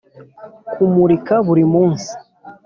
kumurika buri munsi.